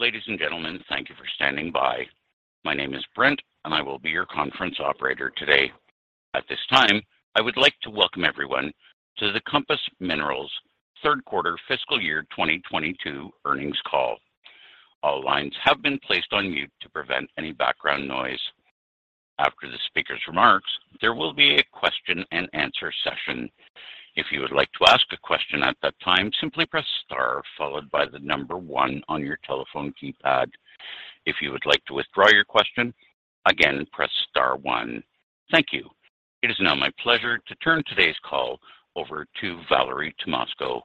Ladies and gentlemen, thank you for standing by. My name is Brent, and I will be your conference operator today. At this time, I would like to welcome everyone to the Compass Minerals Q3 fiscal year 2022 earnings call. All lines have been placed on mute to prevent any background noise. After the speaker's remarks, there will be a question-and-answer session. If you would like to ask a question at that time, simply press star followed by the number one on your telephone keypad. If you would like to withdraw your question, again, press star one. Thank you. It is now my pleasure to turn today's call over to Valerie Tymosko.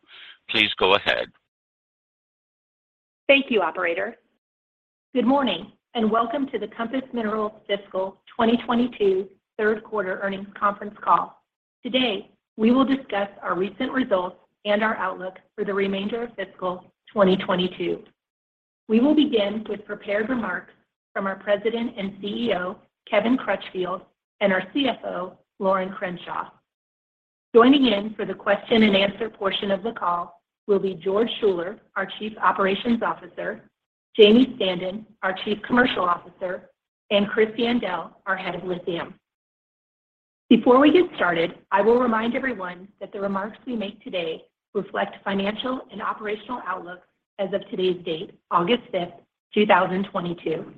Please go ahead. Thank you, operator. Good morning, and welcome to the Compass Minerals Fiscal 2022 Q3 earnings conference call. Today, we will discuss our recent results and our outlook for the remainder of fiscal 2022. We will begin with prepared remarks from our President and CEO, Kevin Crutchfield, and our CFO, Lorin Crenshaw. Joining in for the question-and-answer portion of the call will be George Schuller, our Chief Operations Officer, Jamie Standen, our Chief Commercial Officer, and Chris Yandell, our Head of Lithium. Before we get started, I will remind everyone that the remarks we make today reflect financial and operational outlook as of today's date, August 5, 2022.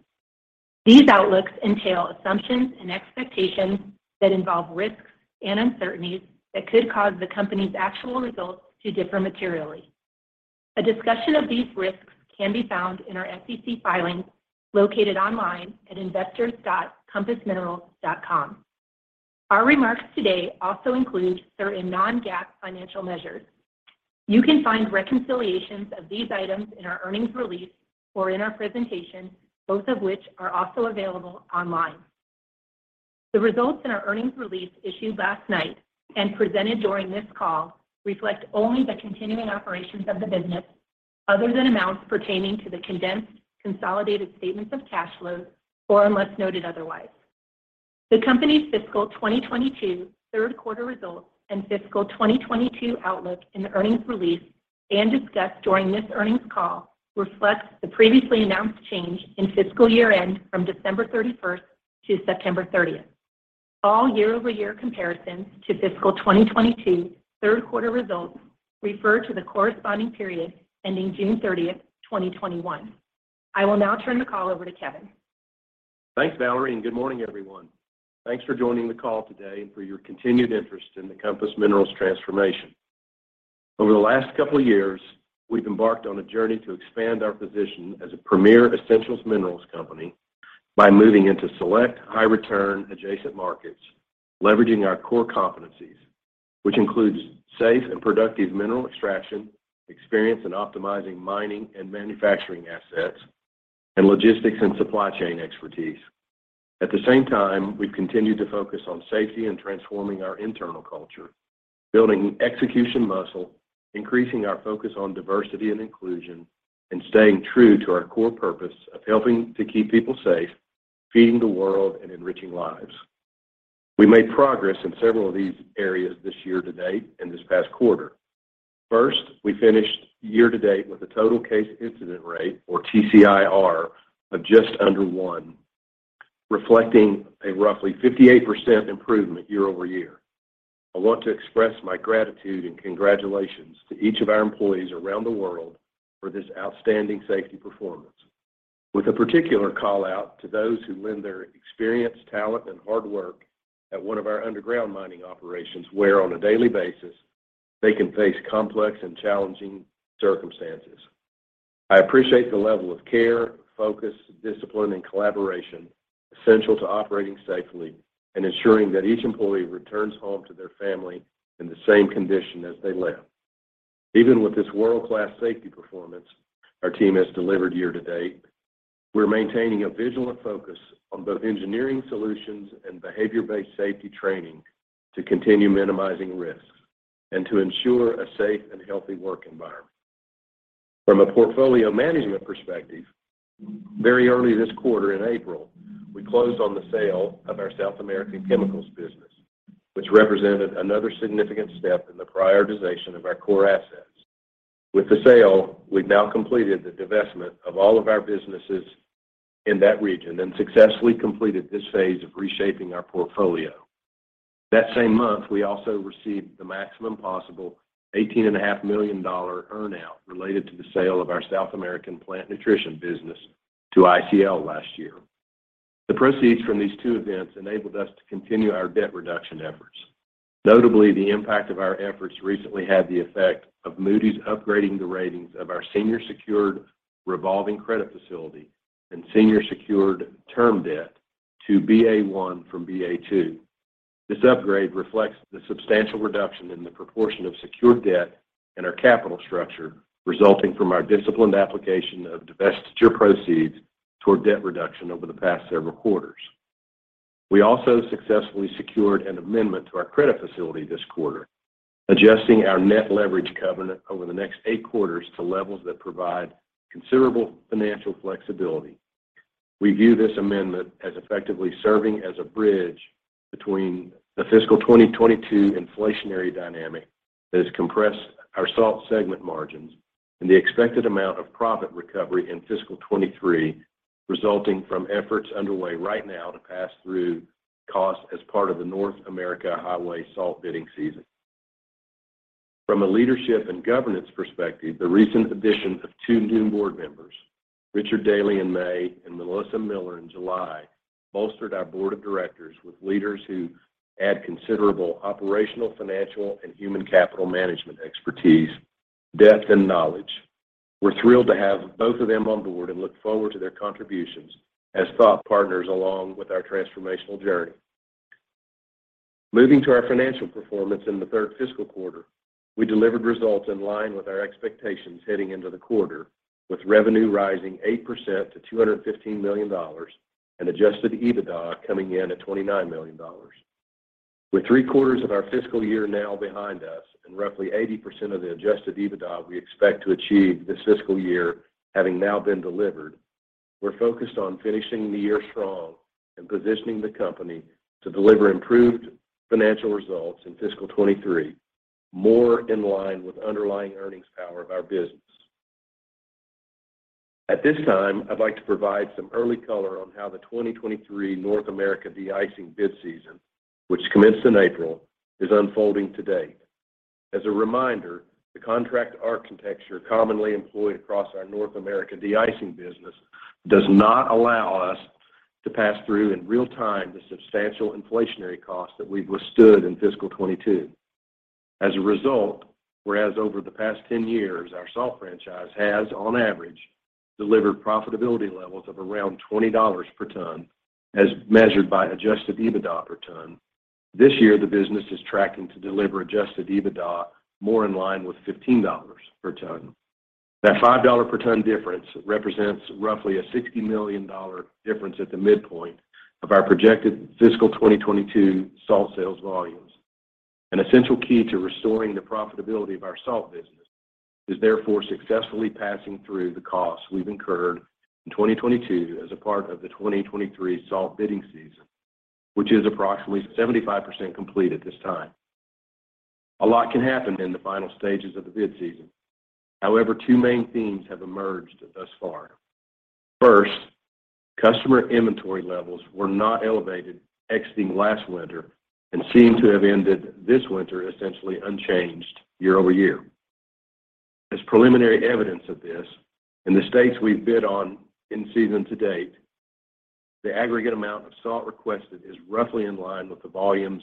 These outlooks entail assumptions and expectations that involve risks and uncertainties that could cause the company's actual results to differ materially. A discussion of these risks can be found in our SEC filings located online at investor.compassminerals.com. Our remarks today also include certain non-GAAP financial measures. You can find reconciliations of these items in our earnings release or in our presentation, both of which are also available online. The results in our earnings release issued last night and presented during this call reflect only the continuing operations of the business other than amounts pertaining to the condensed consolidated statements of cash flows, or unless noted otherwise. The company's fiscal 2022 Q3 results and fiscal 2022 outlook in the earnings release and discussed during this earnings call reflect the previously announced change in fiscal year-end from December 31 to September 30. All year-over-year comparisons to fiscal 2022 Q3 results refer to the corresponding period ending June 30, 2021. I will now turn the call over to Kevin. Thanks, Valerie, and good morning, everyone. Thanks for joining the call today and for your continued interest in the Compass Minerals transformation. Over the last couple of years, we've embarked on a journey to expand our position as a premier essential minerals company by moving into select high return adjacent markets, leveraging our core competencies, which includes safe and productive mineral extraction, experience in optimizing mining and manufacturing assets, and logistics and supply chain expertise. At the same time, we've continued to focus on safety and transforming our internal culture, building execution muscle, increasing our focus on diversity and inclusion, and staying true to our core purpose of helping to keep people safe, feeding the world, and enriching lives. We made progress in several of these areas this year to date and this past quarter. First, we finished year to date with a total case incident rate or TCIR of just under one, reflecting a roughly 58% improvement year-over-year. I want to express my gratitude and congratulations to each of our employees around the world for this outstanding safety performance. With a particular call-out to those who lend their experience, talent, and hard work at one of our underground mining operations, where on a daily basis they can face complex and challenging circumstances. I appreciate the level of care, focus, discipline, and collaboration essential to operating safely and ensuring that each employee returns home to their family in the same condition as they left. Even with this world-class safety performance our team has delivered year to date, we're maintaining a vigilant focus on both engineering solutions and behavior-based safety training to continue minimizing risks and to ensure a safe and healthy work environment. From a portfolio management perspective, very early this quarter in April, we closed on the sale of our South American chemicals business, which represented another significant step in the prioritization of our core assets. With the sale, we've now completed the divestment of all of our businesses in that region and successfully completed this phase of reshaping our portfolio. That same month, we also received the maximum possible $18.5 million earn-out related to the sale of our South American Plant Nutrition business to ICL last year. The proceeds from these two events enabled us to continue our debt reduction efforts. Notably, the impact of our efforts recently had the effect of Moody's upgrading the ratings of our senior secured revolving credit facility and senior secured term debt to Ba1 from Ba2. This upgrade reflects the substantial reduction in the proportion of secured debt in our capital structure resulting from our disciplined application of divestiture proceeds toward debt reduction over the past several quarters. We also successfully secured an amendment to our credit facility this quarter, adjusting our net leverage covenant over the next eight quarters to levels that provide considerable financial flexibility. We view this amendment as effectively serving as a bridge between the fiscal 2022 inflationary dynamic that has compressed our salt segment margins and the expected amount of profit recovery in fiscal 2023 resulting from efforts underway right now to pass through costs as part of the North America highway salt bidding season. From a leadership and governance perspective, the recent addition of two new board members, Richard Dealy in May and Melissa Miller in July, bolstered our board of directors with leaders who add considerable operational, financial, and human capital management expertise, depth, and knowledge. We're thrilled to have both of them on board and look forward to their contributions as thought partners along with our transformational journey. Moving to our financial performance in the third fiscal quarter, we delivered results in line with our expectations heading into the quarter, with revenue rising 8% to $215 million and Adjusted EBITDA coming in at $29 million. With three quarters of our fiscal year now behind us and roughly 80% of the Adjusted EBITDA we expect to achieve this fiscal year having now been delivered, we're focused on finishing the year strong and positioning the company to deliver improved financial results in fiscal 2023, more in line with underlying earnings power of our business. At this time, I'd like to provide some early color on how the 2023 North America deicing bid season, which commenced in April, is unfolding to date. As a reminder, the contract architecture commonly employed across our North America deicing business does not allow us to pass through in real time the substantial inflationary costs that we've withstood in fiscal 2022. As a result, whereas over the past 10 years, our salt franchise has, on average, delivered profitability levels of around $20 per ton as measured by Adjusted EBITDA per ton. This year, the business is tracking to deliver Adjusted EBITDA more in line with $15 per ton. That $5 per ton difference represents roughly a $60 million difference at the midpoint of our projected fiscal 2022 salt sales volumes. An essential key to restoring the profitability of our salt business is therefore successfully passing through the costs we've incurred in 2022 as a part of the 2023 salt bidding season, which is approximately 75% complete at this time. A lot can happen in the final stages of the bid season. However, two main themes have emerged thus far. First, customer inventory levels were not elevated exiting last winter and seem to have ended this winter essentially unchanged year over year. As preliminary evidence of this, in the states we've bid on in season to date, the aggregate amount of salt requested is roughly in line with the volumes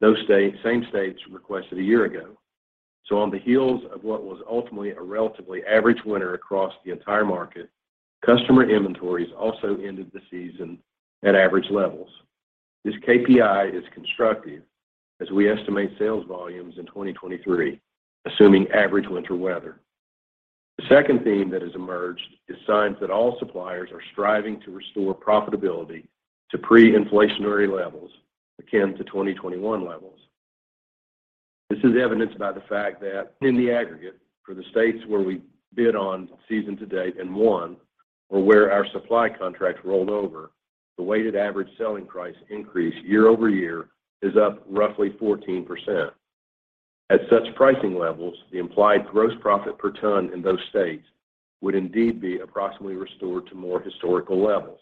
those states, same states requested a year ago. On the heels of what was ultimately a relatively average winter across the entire market, customer inventories also ended the season at average levels. This KPI is constructive as we estimate sales volumes in 2023, assuming average winter weather. The second theme that has emerged is signs that all suppliers are striving to restore profitability to pre-inflationary levels akin to 2021 levels. This is evidenced by the fact that in the aggregate for the states where we bid on season to date and won or where our supply contracts rolled over, the weighted average selling price increase year-over-year is up roughly 14%. At such pricing levels, the implied gross profit per ton in those states would indeed be approximately restored to more historical levels,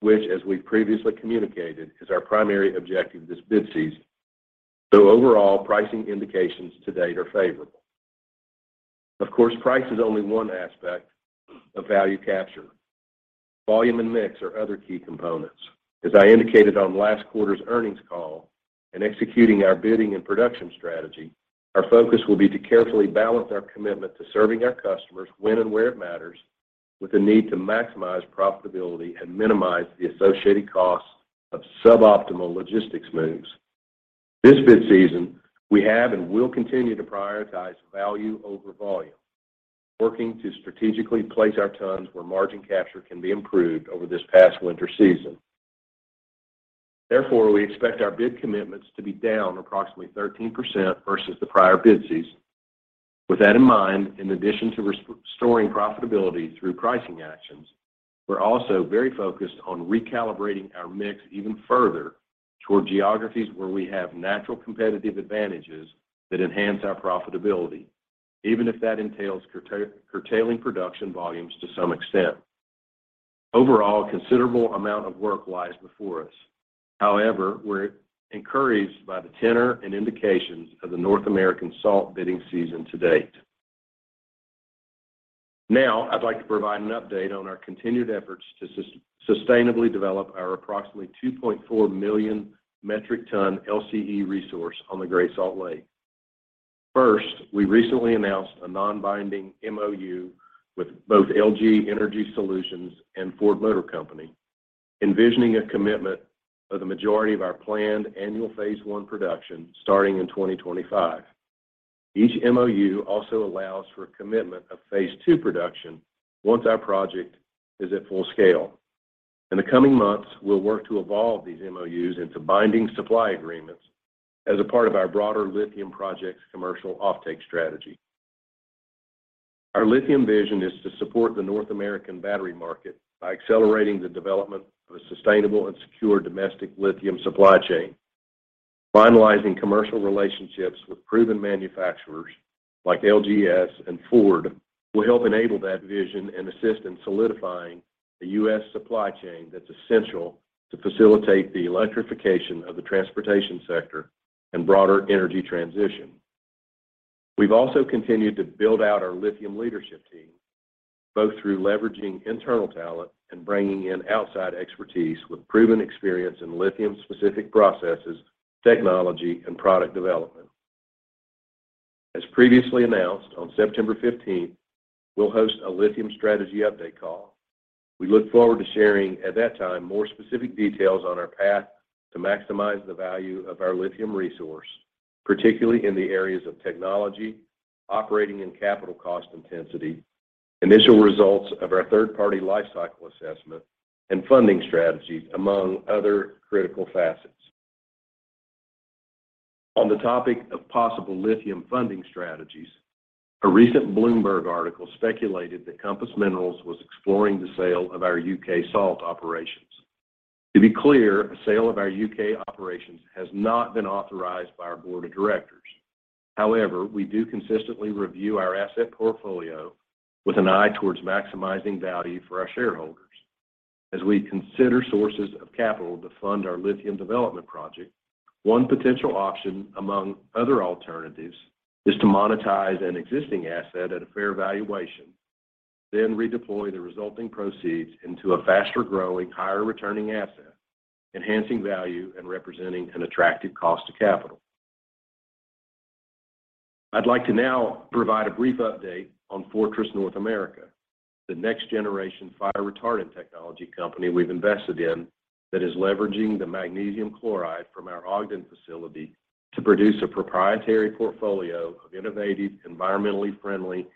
which as we previously communicated, is our primary objective this bid season. Overall, pricing indications to date are favorable. Of course, price is only one aspect of value capture. Volume and mix are other key components. As I indicated on last quarter's earnings call, in executing our bidding and production strategy, our focus will be to carefully balance our commitment to serving our customers when and where it matters with the need to maximize profitability and minimize the associated costs of suboptimal logistics moves. This bid season, we have and will continue to prioritize value over volume, working to strategically place our tons where margin capture can be improved over this past winter season. Therefore, we expect our bid commitments to be down approximately 13% versus the prior bid season. With that in mind, in addition to restoring profitability through pricing actions, we're also very focused on recalibrating our mix even further toward geographies where we have natural competitive advantages that enhance our profitability, even if that entails curtailing production volumes to some extent. Overall, a considerable amount of work lies before us. However, we're encouraged by the tenor and indications of the North American salt bidding season to date. Now, I'd like to provide an update on our continued efforts to sustainably develop our approximately 2.4 million metric ton LCE resource on the Great Salt Lake. First, we recently announced a non-binding MOU with both LG Energy Solution and Ford Motor Company, envisioning a commitment of the majority of our planned annual Phase I production starting in 2025. Each MOU also allows for a commitment of Phase II production once our project is at full scale. In the coming months, we'll work to evolve these MOUs into binding supply agreements as a part of our broader lithium project's commercial offtake strategy. Our lithium vision is to support the North American battery market by accelerating the development of a sustainable and secure domestic lithium supply chain. Finalizing commercial relationships with proven manufacturers like LGES and Ford will help enable that vision and assist in solidifying the U.S. supply chain that's essential to facilitate the electrification of the transportation sector and broader energy transition. We've also continued to build out our lithium leadership team, both through leveraging internal talent and bringing in outside expertise with proven experience in lithium-specific processes, technology, and product development. As previously announced, on September fifteenth, we'll host a lithium strategy update call. We look forward to sharing at that time more specific details on our path to maximize the value of our lithium resource, particularly in the areas of technology, operating and capital cost intensity, initial results of our third-party life cycle assessment and funding strategies, among other critical facets. On the topic of possible lithium funding strategies, a recent Bloomberg article speculated that Compass Minerals was exploring the sale of our U.K. salt operations. To be clear, a sale of our U.K. operations has not been authorized by our board of directors. However, we do consistently review our asset portfolio with an eye towards maximizing value for our shareholders. As we consider sources of capital to fund our lithium development project, one potential option, among other alternatives, is to monetize an existing asset at a fair valuation, then redeploy the resulting proceeds into a faster-growing, higher-returning asset, enhancing value and representing an attractive cost of capital. I'd like to now provide a brief update on Fortress North America, the next-generation fire retardant technology company we've invested in that is leveraging the magnesium chloride from our Ogden facility to produce a proprietary portfolio of innovative, environmentally friendly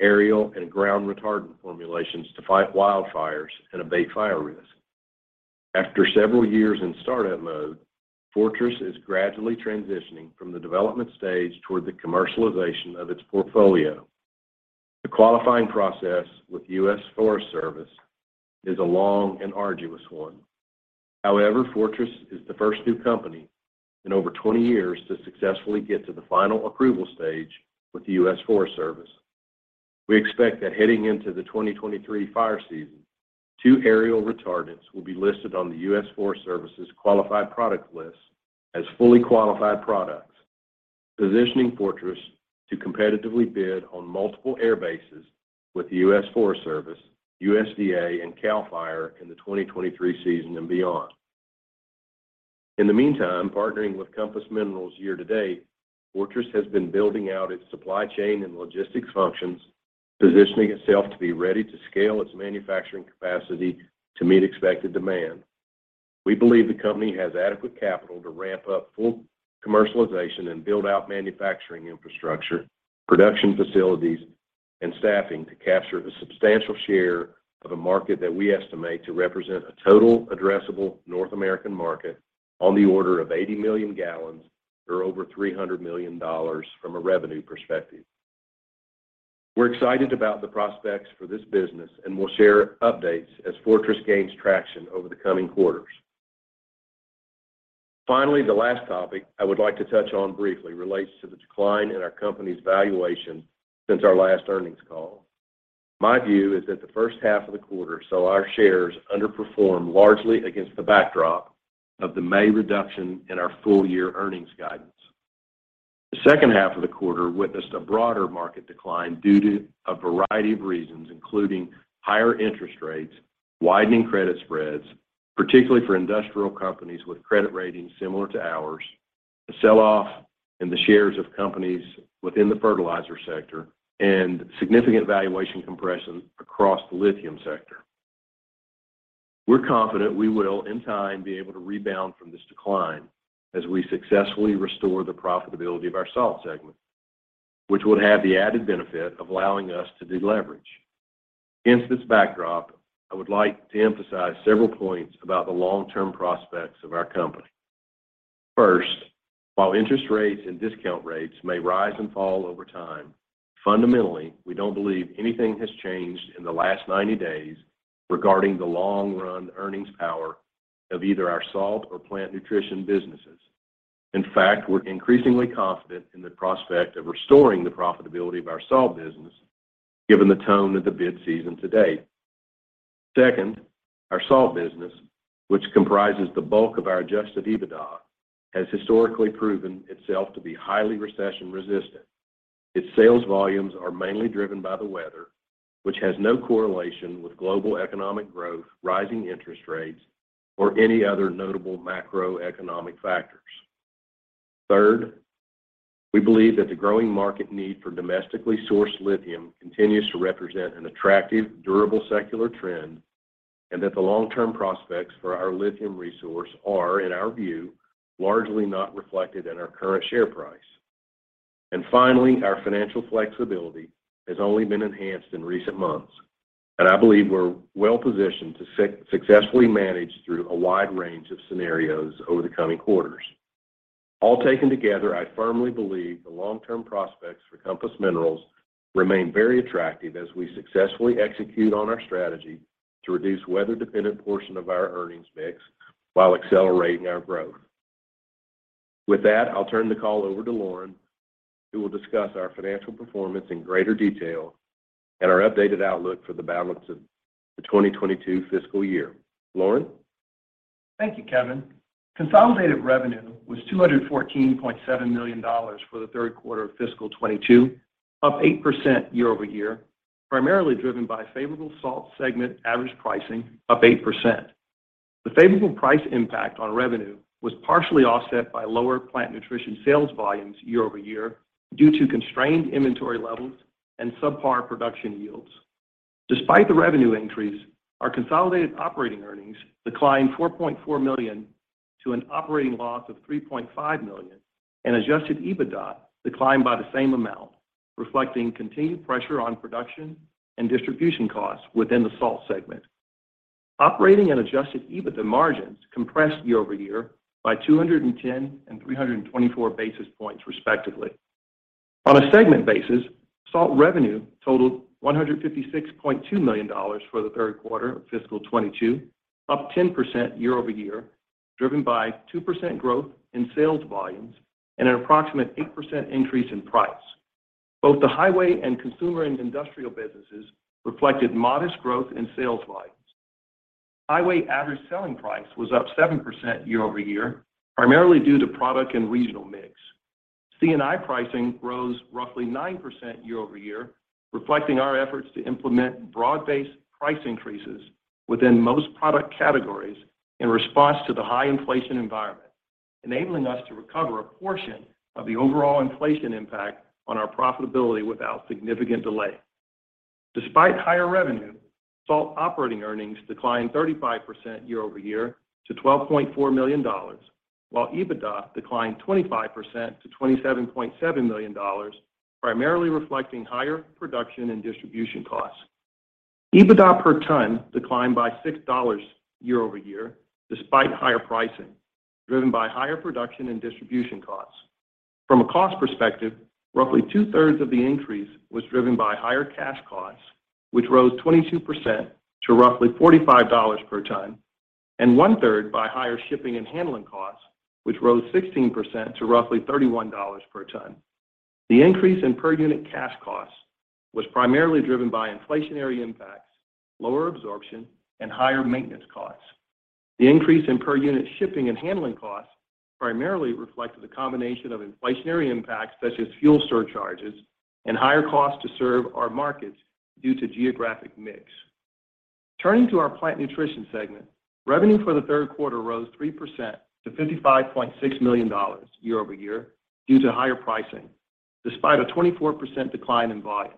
aerial and ground retardant formulations to fight wildfires and abate fire risk. After several years in startup mode, Fortress is gradually transitioning from the development stage toward the commercialization of its portfolio. The qualifying process with U.S. Forest Service is a long and arduous one. However, Fortress is the first new company in over 20 years to successfully get to the final approval stage with the U.S. Forest Service. We expect that heading into the 2023 fire season, two aerial retardants will be listed on the U.S. Forest Service's Qualified Products List as fully qualified products, positioning Fortress to competitively bid on multiple air bases with the U.S. Forest Service, USDA, and CAL FIRE in the 2023 season and beyond. In the meantime, partnering with Compass Minerals year-to-date, Fortress has been building out its supply chain and logistics functions, positioning itself to be ready to scale its manufacturing capacity to meet expected demand. We believe the company has adequate capital to ramp up full commercialization and build out manufacturing infrastructure, production facilities, and staffing to capture a substantial share of a market that we estimate to represent a total addressable North American market on the order of 80 million gallons or over $300 million from a revenue perspective. We're excited about the prospects for this business, and we'll share updates as Fortress gains traction over the coming quarters. Finally, the last topic I would like to touch on briefly relates to the decline in our company's valuation since our last earnings call. My view is that the first half of the quarter saw our shares underperform largely against the backdrop of the May reduction in our full-year earnings guidance. The second half of the quarter witnessed a broader market decline due to a variety of reasons, including higher interest rates, widening credit spreads, particularly for industrial companies with credit ratings similar to ours, a sell-off in the shares of companies within the fertilizer sector, and significant valuation compression across the lithium sector. We're confident we will, in time, be able to rebound from this decline as we successfully restore the profitability of our salt segment, which would have the added benefit of allowing us to deleverage. Against this backdrop, I would like to emphasize several points about the long-term prospects of our company. First, while interest rates and discount rates may rise and fall over time, fundamentally, we don't believe anything has changed in the last ninety days regarding the long-run earnings power of either our salt or Plant Nutrition businesses. In fact, we're increasingly confident in the prospect of restoring the profitability of our salt business, given the tone of the bid season to date. Second, our salt business, which comprises the bulk of our Adjusted EBITDA, has historically proven itself to be highly recession-resistant. Its sales volumes are mainly driven by the weather, which has no correlation with global economic growth, rising interest rates, or any other notable macroeconomic factors. Third, we believe that the growing market need for domestically sourced lithium continues to represent an attractive, durable secular trend and that the long-term prospects for our lithium resource are, in our view, largely not reflected in our current share price. Finally, our financial flexibility has only been enhanced in recent months, and I believe we're well-positioned to successfully manage through a wide range of scenarios over the coming quarters. All taken together, I firmly believe the long-term prospects for Compass Minerals remain very attractive as we successfully execute on our strategy to reduce weather-dependent portion of our earnings mix while accelerating our growth. With that, I'll turn the call over to Lorin, who will discuss our financial performance in greater detail and our updated outlook for the balance of the 2022 fiscal year. Lorin? Thank you, Kevin. Consolidated revenue was $214.7 million for the Q3 of fiscal 2022, up 8% year-over-year, primarily driven by favorable salt segment average pricing up 8%. The favorable price impact on revenue was partially offset by lower plant nutrition sales volumes year-over-year due to constrained inventory levels and subpar production yields. Despite the revenue increase, our consolidated operating earnings declined $4.4 million to an operating loss of $3.5 million, and Adjusted EBITDA declined by the same amount, reflecting continued pressure on production and distribution costs within the salt segment. Operating and Adjusted EBITDA margins compressed year-over-year by 210 and 324 basis points, respectively. On a segment basis, salt revenue totaled $156.2 million for the Q3 of fiscal 2022, up 10% year-over-year, driven by 2% growth in sales volumes and an approximate 8% increase in price. Both the Highway and Consumer and Industrial businesses reflected modest growth in sales volumes. Highway average selling price was up 7% year-over-year, primarily due to product and regional mix. C&I pricing rose roughly 9% year-over-year, reflecting our efforts to implement broad-based price increases within most product categories in response to the high inflation environment, enabling us to recover a portion of the overall inflation impact on our profitability without significant delay. Despite higher revenue, salt operating earnings declined 35% year-over-year to $12.4 million, while EBITDA declined 25% to $27.7 million, primarily reflecting higher production and distribution costs. EBITDA per ton declined by $6 year-over-year despite higher pricing, driven by higher production and distribution costs. From a cost perspective, roughly two-thirds of the increase was driven by higher cash costs, which rose 22% to roughly $45 per ton, and one-third by higher shipping and handling costs, which rose 16% to roughly $31 per ton. The increase in per-unit cash costs was primarily driven by inflationary impacts, lower absorption, and higher maintenance costs. The increase in per-unit shipping and handling costs primarily reflected the combination of inflationary impacts such as fuel surcharges and higher costs to serve our markets due to geographic mix. Turning to our Plant Nutrition segment, revenue for the Q3 rose 3% to $55.6 million year-over-year due to higher pricing, despite a 24% decline in volume.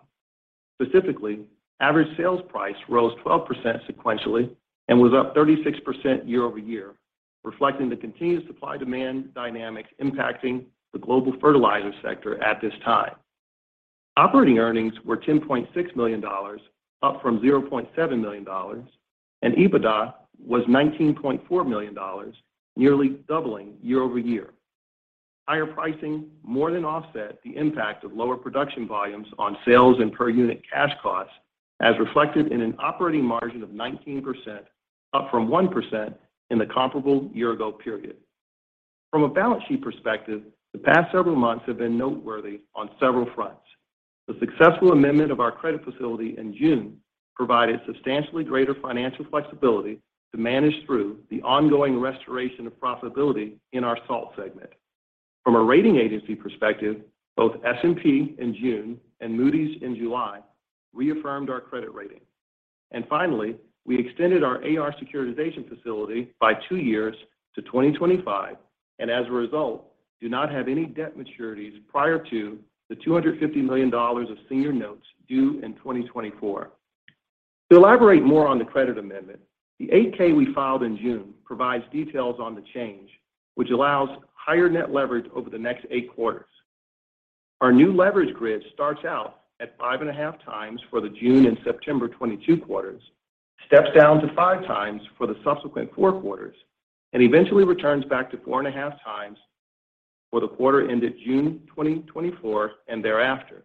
Specifically, average sales price rose 12% sequentially and was up 36% year-over-year, reflecting the continued supply-demand dynamics impacting the global fertilizer sector at this time. Operating earnings were $10.6 million, up from $0.7 million, and EBITDA was $19.4 million, nearly doubling year-over-year. Higher pricing more than offset the impact of lower production volumes on sales and per-unit cash costs, as reflected in an operating margin of 19%, up from 1% in the comparable year-ago period. From a balance sheet perspective, the past several months have been noteworthy on several fronts. The successful amendment of our credit facility in June provided substantially greater financial flexibility to manage through the ongoing restoration of profitability in our salt segment. From a rating agency perspective, both S&P in June and Moody's in July reaffirmed our credit rating. Finally, we extended our AR securitization facility by two years to 2025, and as a result, do not have any debt maturities prior to the $250 million of senior notes due in 2024. To elaborate more on the credit amendment, the 8-K we filed in June provides details on the change, which allows higher net leverage over the next 8 quarters. Our new leverage grid starts out at 5.5x for the June and September 2022 quarters, steps down to 5x for the subsequent 4 quarters, and eventually returns back to 4.5x for the quarter ended June 2024 and thereafter.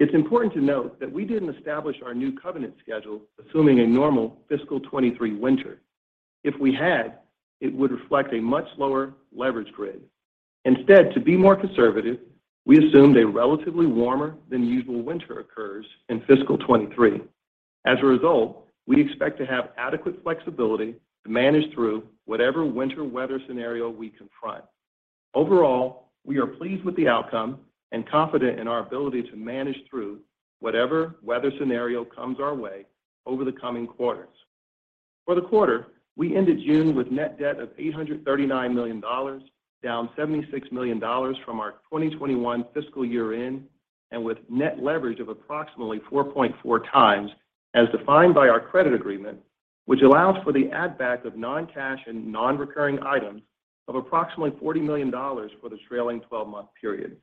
It's important to note that we didn't establish our new covenant schedule assuming a normal fiscal 2023 winter. If we had, it would reflect a much lower leverage grid. Instead, to be more conservative, we assumed a relatively warmer than usual winter occurs in fiscal 2023. As a result, we expect to have adequate flexibility to manage through whatever winter weather scenario we confront. Overall, we are pleased with the outcome and confident in our ability to manage through whatever weather scenario comes our way over the coming quarters. For the quarter, we ended June with net debt of $839 million, down $76 million from our 2021 fiscal year-end, and with net leverage of approximately 4.4 times as defined by our credit agreement, which allows for the add-back of non-cash and non-recurring items of approximately $40 million for the trailing twelve-month period.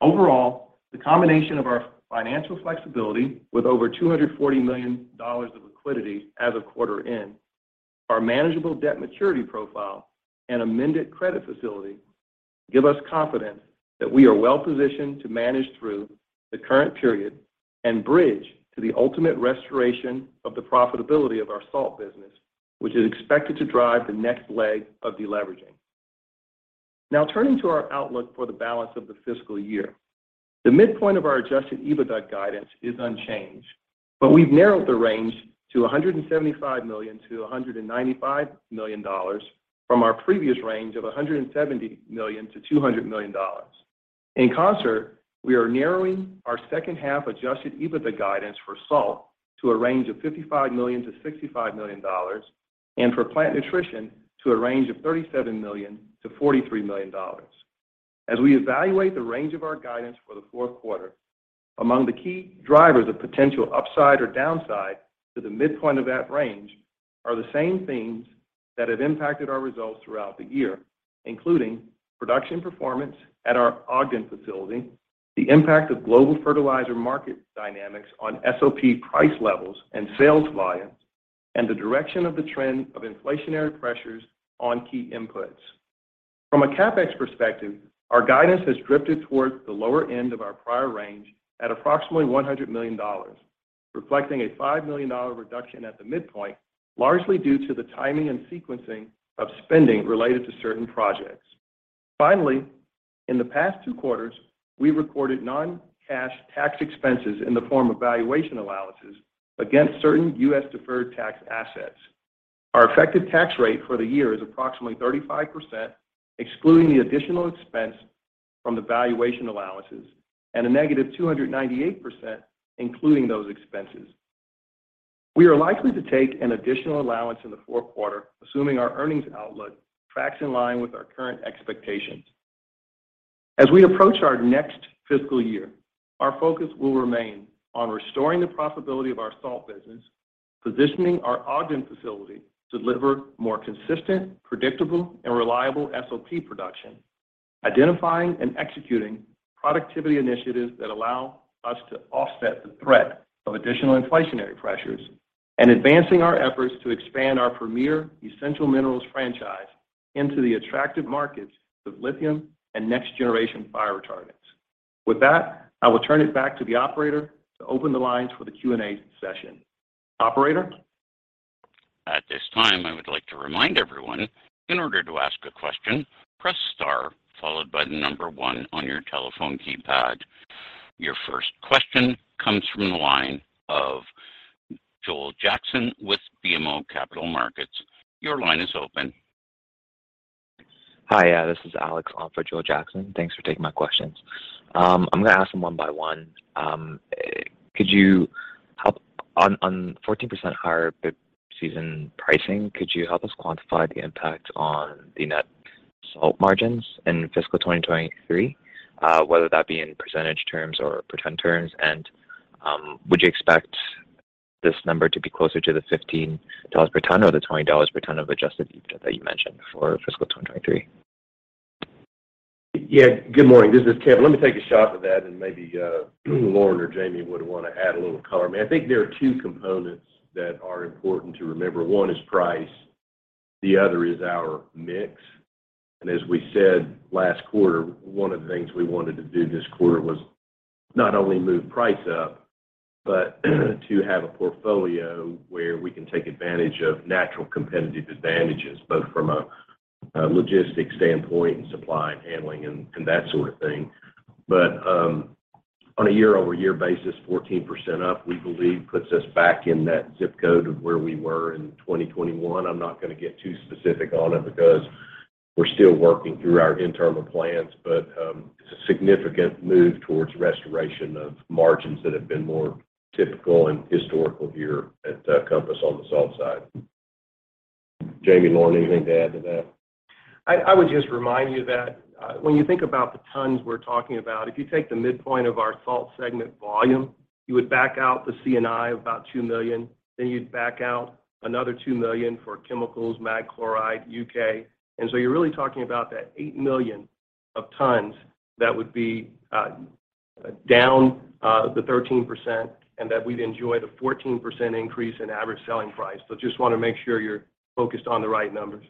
Overall, the combination of our financial flexibility with over $240 million of liquidity as of quarter-end, our manageable debt maturity profile and amended credit facility give us confidence that we are well-positioned to manage through the current period and bridge to the ultimate restoration of the profitability of our salt business, which is expected to drive the next leg of deleveraging. Now turning to our outlook for the balance of the fiscal year. The midpoint of our Adjusted EBITDA guidance is unchanged, but we've narrowed the range to $175 million-$195 million from our previous range of $170 million-$200 million. In concert, we are narrowing our second half Adjusted EBITDA guidance for salt to a range of $55 million-$65 million, and for Plant Nutrition to a range of $37 million-$43 million. As we evaluate the range of our guidance for the Q4, among the key drivers of potential upside or downside to the midpoint of that range are the same themes that have impacted our results throughout the year, including production performance at our Ogden facility, the impact of global fertilizer market dynamics on SOP price levels and sales volumes, and the direction of the trend of inflationary pressures on key inputs. From a CapEx perspective, our guidance has drifted towards the lower end of our prior range at approximately $100 million, reflecting a $5 million reduction at the midpoint, largely due to the timing and sequencing of spending related to certain projects. Finally, in the past two quarters, we recorded non-cash tax expenses in the form of valuation allowances against certain U.S. deferred tax assets. Our effective tax rate for the year is approximately 35%, excluding the additional expense from the valuation allowances, and a negative 298%, including those expenses. We are likely to take an additional allowance in the Q4, assuming our earnings outlook tracks in line with our current expectations. As we approach our next fiscal year, our focus will remain on restoring the profitability of our salt business, positioning our Ogden facility to deliver more consistent, predictable, and reliable SOP production, identifying and executing productivity initiatives that allow us to offset the threat of additional inflationary pressures, and advancing our efforts to expand our premier essential minerals franchise into the attractive markets of lithium and next-generation fire retardants. With that, I will turn it back to the operator to open the lines for the Q&A session. Operator? At this time, I would like to remind everyone, in order to ask a question, press star followed by the number one on your telephone keypad. Your first question comes from the line of Joel Jackson with BMO Capital Markets. Your line is open. Hi, this is Alex on for Joel Jackson. Thanks for taking my questions. I'm going to ask them one by one. Could you help us quantify the impact on the net salt margins in fiscal 2023, whether that be in percentage terms or per ton terms? Would you expect this number to be closer to the $15 per ton or the $20 per ton of Adjusted EBITDA that you mentioned for fiscal 2023? Yeah. Good morning. This is Kevin. Let me take a shot at that, and maybe Lorin or Jamie would want to add a little color. I mean, I think there are two components that are important to remember. One is price, the other is our mix. As we said last quarter, one of the things we wanted to do this quarter was not only move price up, but to have a portfolio where we can take advantage of natural competitive advantages, both from a logistics standpoint and supply and handling and that sort of thing. On a year-over-year basis, 14% up, we believe, puts us back in that ZIP code of where we were in 2021. I'm not going to get too specific on it because we're still working through our internal plans, but it's a significant move towards restoration of margins that have been more typical and historical here at Compass on the salt side. Jamie, Loren, anything to add to that? I would just remind you that when you think about the tons we're talking about, if you take the midpoint of our salt segment volume, you would back out the C&I of about 2 million, then you'd back out another 2 million for chemicals, mag chloride, UK. You're really talking about that 8 million tons that would be down the 13%, and that we'd enjoy the 14% increase in average selling price. Just want to make sure you're focused on the right numbers.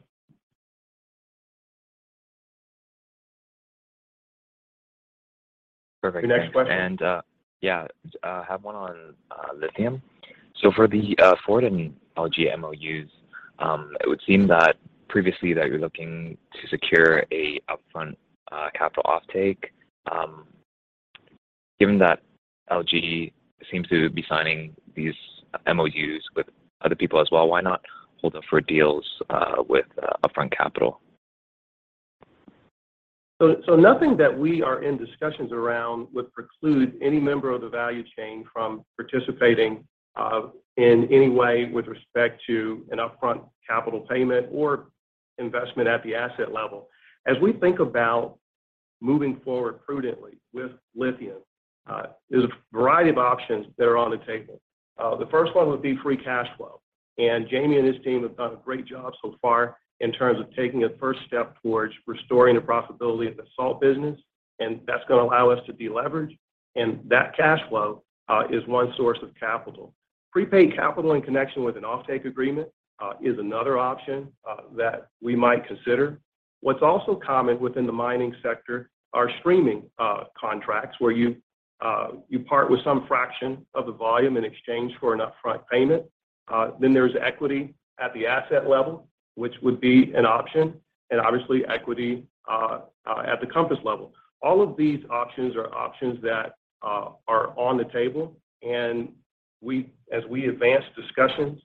Perfect. The next question. I have one on lithium. For the Ford and LG MOUs, it would seem that previously that you're looking to secure a upfront capital offtake. Given that LG seems to be signing these MOUs with other people as well, why not hold out for deals with upfront capital? Nothing that we are in discussions around would preclude any member of the value chain from participating, in any way with respect to an upfront capital payment or investment at the asset level. As we think about moving forward prudently with lithium There's a variety of options that are on the table. The first one would be free cash flow, and Jamie and his team have done a great job so far in terms of taking a first step towards restoring the profitability of the salt business, and that's going to allow us to deleverage, and that cash flow is one source of capital. Prepaid capital in connection with an offtake agreement is another option that we might consider. What's also common within the mining sector are streaming contracts where you part with some fraction of the volume in exchange for an upfront payment. Then there's equity at the asset level, which would be an option, and obviously equity at the Compass level. All of these options that are on the table, and as we advance discussions,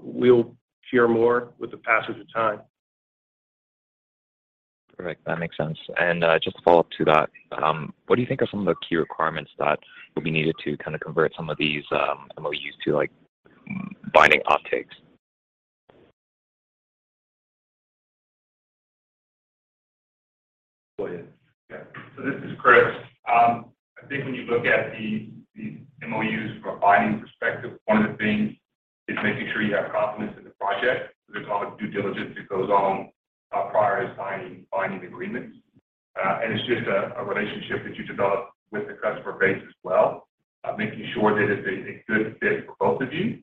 we'll share more with the passage of time. Perfect. That makes sense. Just to follow up to that, what do you think are some of the key requirements that will be needed to kinda convert some of these MOUs to, like, binding offtakes? Go ahead. Yeah. This is Chris. I think when you look at the MOUs from a binding perspective, One of the things is making sure you have confidence in the project. There's a lot of due diligence that goes on prior to signing binding agreements. It's just a relationship that you develop with the customer base as well, making sure that it's a good fit for both of you.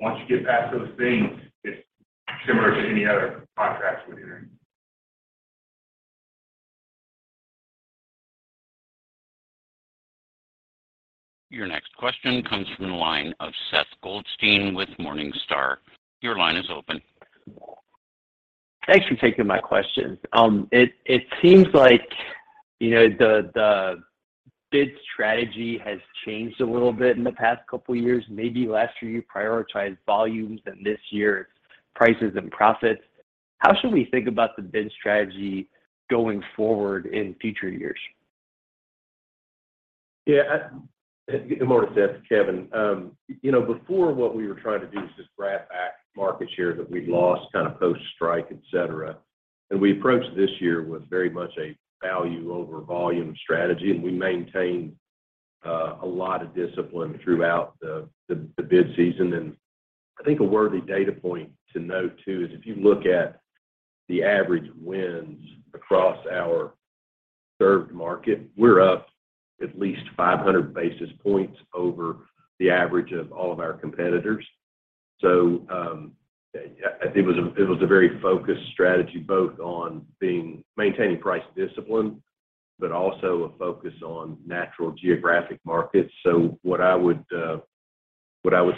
Once you get past those things, it's similar to any other contracts you're entering. Your next question comes from the line of Seth Goldstein with Morningstar. Your line is open. Thanks for taking my question. It seems like the bid strategy has changed a little bit in the past couple years. Maybe last year you prioritized volumes, and this year it's prices and profits. How should we think about the bid strategy going forward in future years? Yeah. Good morning, Seth. Kevin. before what we were trying to do is just grab back market share that we'd lost kinda post-strike, et cetera. We approached this year with very much a value over volume strategy, and we maintained a lot of discipline throughout the bid season. I think a worthy data point to note too is if you look at the average wins across our served market, we're up at least 500 basis points over the average of all of our competitors. Yeah, it was a very focused strategy both on maintaining price discipline, but also a focus on natural geographic markets. What I would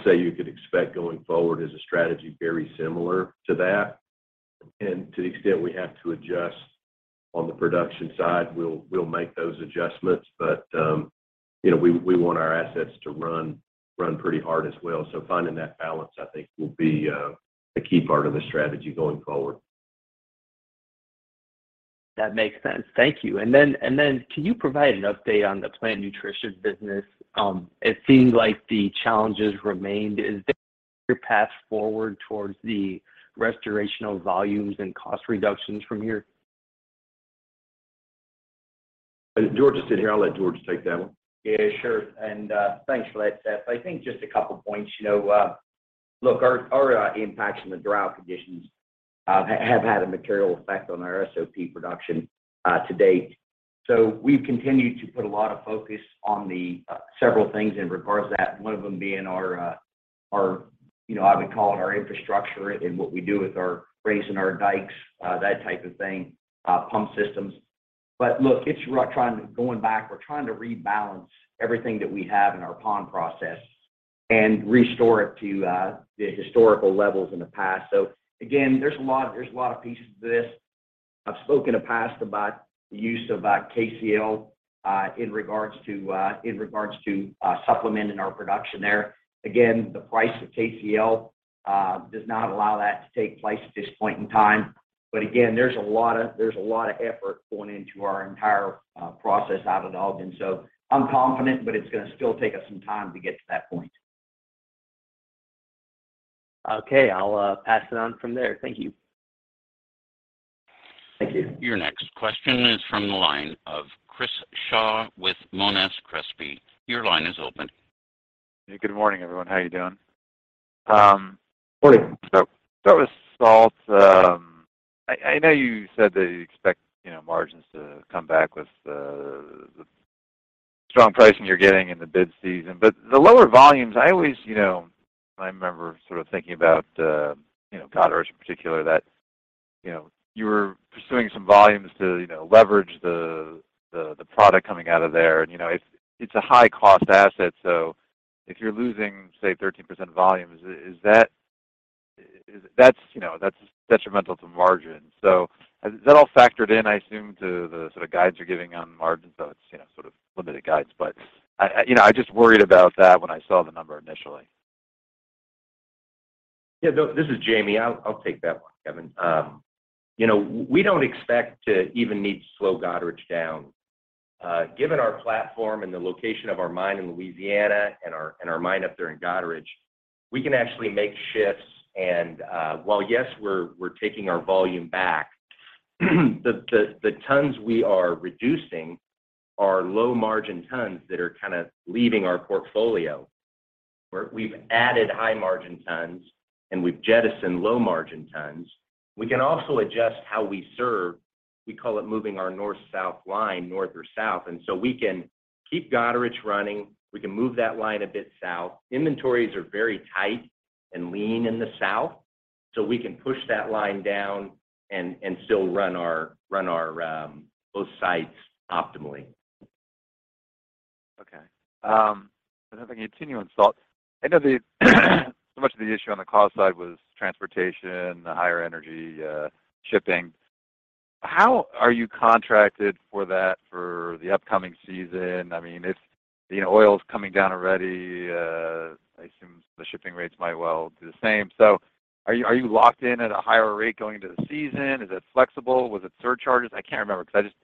say you could expect going forward is a strategy very similar to that. To the extent we have to adjust on the production side, we'll make those adjustments. we want our assets to run pretty hard as well. Finding that balance, I think, will be a key part of the strategy going forward. That makes sense. Thank you. Can you provide an update on the Plant Nutrition business? It seems like the challenges remained. Is there a clear path forward towards the restoration of volumes and cost reductions from here? George is sitting here. I'll let George take that one. Yeah, sure. Thanks for that, Seth. I think just a couple points. Look, our impacts from the drought conditions have had a material effect on our SOP production to date. We've continued to put a lot of focus on several things in regards to that, one of them being our infrastructure and what we do with raising our dikes, that type of thing, pump systems. Look, going back, we're trying to rebalance everything that we have in our pond process and restore it to the historical levels in the past. Again, there's a lot of pieces to this. I've spoken in the past about the use of KCl in regards to supplementing our production there. Again, the price of KCl does not allow that to take place at this point in time. again, there's a lot of effort going into our entire process out at Ogden. I'm confident, but it's going to still take us some time to get to that point. Okay. I'll pass it on from there. Thank you. Thank you. Your next question is from the line of Chris Shaw with Monness Crespi. Your line is open. Good morning, everyone. How are you doing? Morning. With salt, I know you said that you expect you know margins to come back with the strong pricing you're getting in the bid season. The lower volumes, I always you know I remember sort of thinking about you know Goderich in particular that you know you were pursuing some volumes to you know leverage the product coming out of there. You know it's a high cost asset, so if you're losing say 13% volume, is that. That's you know that's detrimental to margin. Is that all factored in, I assume, to the sort of guides you're giving on margins, though it's you know sort of limited guides. I you know I just worried about that when I saw the number initially. Yeah. No, this is Jamie. I'll take that one, Kevin. We don't expect to even need to slow Goderich down. Given our platform and the location of our mine in Louisiana and our mine up there in Goderich, we can actually make shifts. While yes, we're taking our volume back The tons we are reducing are low margin tons that are kinda leaving our portfolio, where we've added high margin tons and we've jettisoned low margin tons. We can also adjust how we serve, we call it moving our north-south line north or south. We can keep Goderich running, we can move that line a bit south. Inventories are very tight and lean in the south, so we can push that line down and still run our both sites optimally. Okay. I don't know if I can continue on salt. I know so much of the issue on the cost side was transportation, the higher energy, shipping. How are you contracted for that for the upcoming season? I mean, if oil's coming down already. I assume the shipping rates might well do the same. Are you locked in at a higher rate going into the season? Is it flexible? Was it surcharges? I can't remember, 'cause I just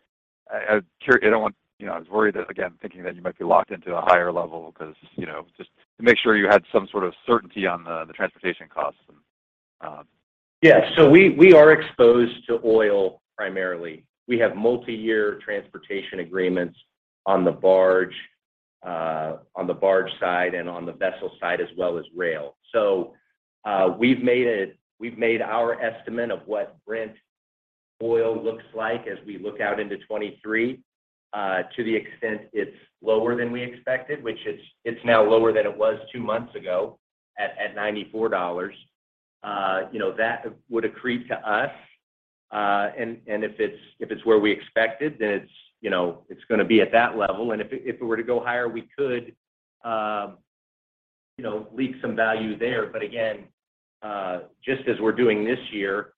I was worried that, again, thinking that you might be locked into a higher level 'cause just to make sure you had some sort of certainty on the transportation costs. Yeah. We are exposed to oil primarily. We have multi-year transportation agreements on the barge side and on the vessel side, as well as rail. We've made our estimate of what Brent oil looks like as we look out into 2023. To the extent it's lower than we expected, which it's now lower than it was two months ago at $94 that would accrete to us. If it's where we expected, then it's it's going to be at that level. If it were to go higher, we could leak some value there. Again, just as we're doing this year,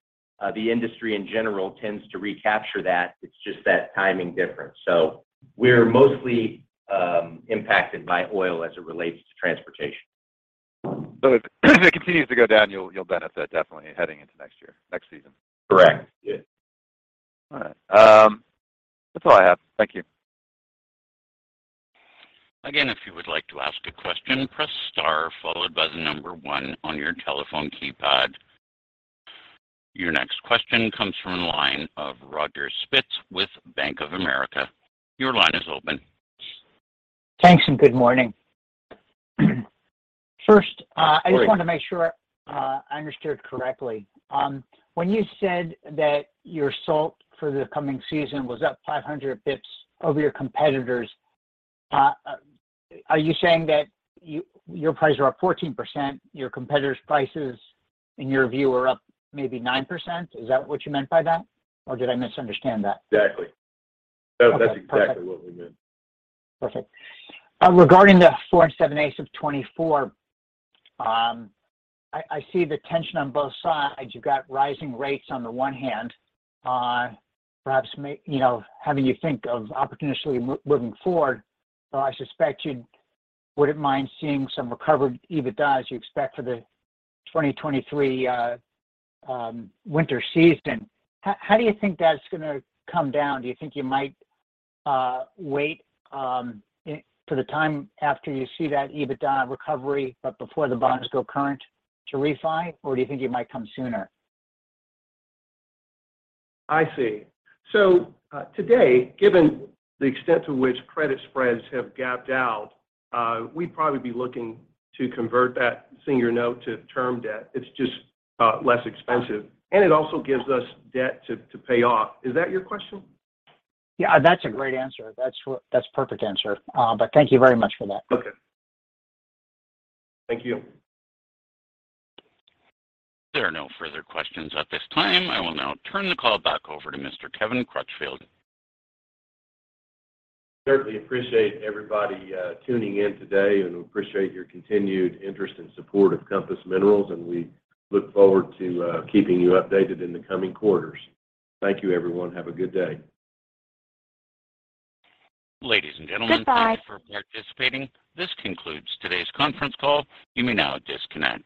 the industry in general tends to recapture that. It's just that timing difference. We're mostly impacted by oil as it relates to transportation. If it continues to go down, you'll benefit definitely heading into next year, next season. Correct. Yeah. All right. That's all I have. Thank you. Again, if you would like to ask a question, press star followed by the number one on your telephone keypad. Your next question comes from the line of Roger Spitz with Bank of America. Your line is open. Thanks, and good morning. Hi, Roger. I just wanted to make sure I understood correctly. When you said that your salt for the coming season was up 500 basis points over your competitors, are you saying that your prices are up 14%, your competitors' prices in your view are up maybe 9%? Is that what you meant by that, or did I misunderstand that? Exactly. Okay. Perfect. No, that's exactly what we meant. Perfect. Regarding the 4.875% Senior Notes due 2024, I see the tension on both sides. You've got rising rates on the one hand, perhaps having you think of opportunistically moving forward. I suspect you wouldn't mind seeing some recovered EBITDA as you expect for the 2023 winter season. How do you think that's going to come down? Do you think you might wait for the time after you see that EBITDA recovery, but before the bonds go current to refi, or do you think it might come sooner? I see. Today, given the extent to which credit spreads have gapped out, we'd probably be looking to convert that senior note to term debt. It's just less expensive, and it also gives us debt to pay off. Is that your question? Yeah. That's a great answer. That's a perfect answer. But thank you very much for that. Okay. Thank you. If there are no further questions at this time, I will now turn the call back over to Mr. Kevin Crutchfield. Certainly appreciate everybody tuning in today, and we appreciate your continued interest and support of Compass Minerals, and we look forward to keeping you updated in the coming quarters. Thank you, everyone. Have a good day. Ladies and gentlemen. Goodbye Thank you for participating. This concludes today's conference call. You may now disconnect.